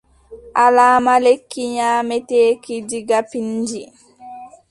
Alaama lekki nyaameteeki diga pinndi.